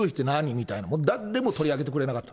みたいな、誰も取り上げてくれなかった。